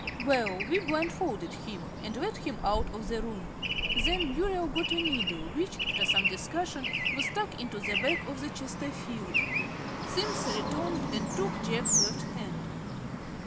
Well, we blindfolded him, and led him out of the room. Then Muriel got a needle, which, after some discussion, was stuck into the back of the Chesterfield. Simms returned and took Jack's left hand.